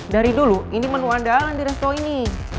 dari dulu ini menu andalan di resto ini